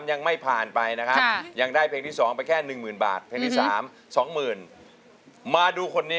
กดด่อไม้จานพาเปาอาตราน๊าเล้วเลย